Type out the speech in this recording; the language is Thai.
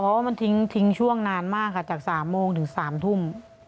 เพราะว่ามันทิ้งช่วงนานมากค่ะจาก๓โมงถึง๓ทุ่ม